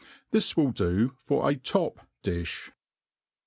This will do for a top*di{h.